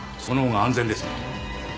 その方が安全ですね。